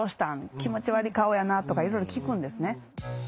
「気持ち悪い顔やな」とかいろいろ聞くんですね。